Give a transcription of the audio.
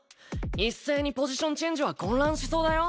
一斉にポジションチェンジは混乱しそうだよ。